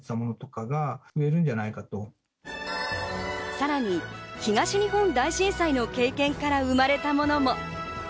さらに東日本大震災の経験から生まれたものも。